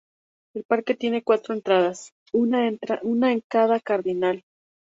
El parque tiene cuatro entradas, una en cada punto cardinal.